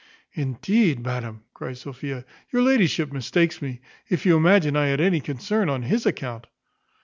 "Indeed, madam," cries Sophia, "your ladyship mistakes me, if you imagine I had any concern on his account."